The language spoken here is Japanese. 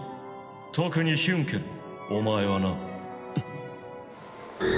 特にヒュンケルお前はな。